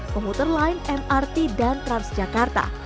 komuter lain mrt dan transjakarta